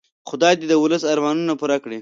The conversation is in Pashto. خدای دې د ولس ارمانونه پوره کړي.